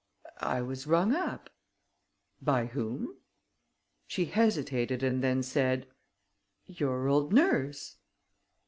"I was rung up." "By whom?" She hesitated and then said: "Your old nurse."